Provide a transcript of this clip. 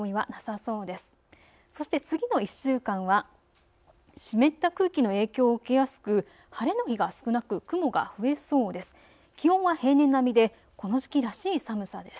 そして次の１週間は湿った空気の影響を受けやすく晴れの日が少なく雲が増えそうです。